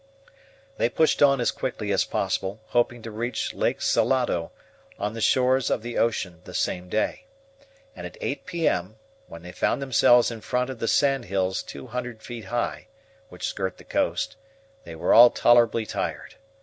They pushed on as quickly as possible, hoping to reach Lake Salado, on the shores of the ocean, the same day; and at 8 P. M., when they found themselves in front of the sand hills two hundred feet high, which skirt the coast, they were all tolerably tired.